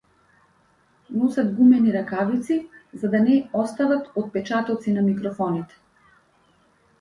Носат гумени ракавици за да не оставаат отпечатоци на микрофоните.